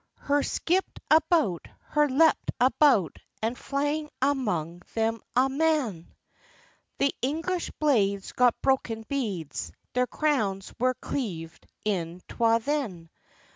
Hur skipt about, hur leapt about, And flang amang them a', man; The English blades got broken beads, Their crowns were cleav'd in twa then.